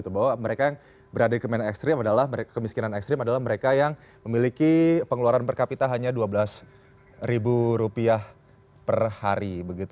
bahwa mereka yang berada di kemiskinan ekstrim adalah mereka yang memiliki pengeluaran per kapita hanya dua belas ribu rupiah per hari